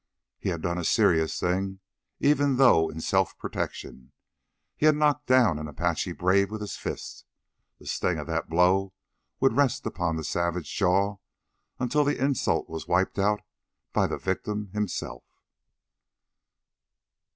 He had done a serious thing, even though in self protection. He had knocked down an Apache brave with his fist. The sting of that blow would rest upon the savage jaw until the insult was wiped out by the victim himself.